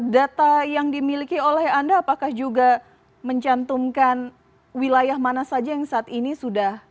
data yang dimiliki oleh anda apakah juga mencantumkan wilayah mana saja yang saat ini sudah